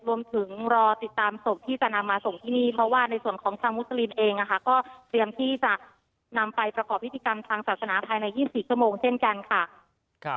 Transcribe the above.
รวมถึงรอติดตามศพที่จะนำมาส่งที่นี่เพราะว่าในส่วนของชาวมุสลิมเองก็เตรียมที่จะนำไปประกอบพิธีกรรมทางศาสนาภายใน๒๔ชั่วโมงเช่นกันค่ะ